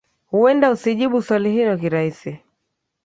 huenda usijibu swali hilo kirahisi